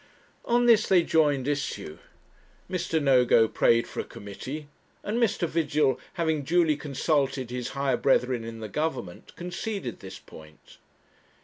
On this they joined issue. Mr. Nogo prayed for a committee, and Mr. Vigil, having duly consulted his higher brethren in the Government, conceded this point.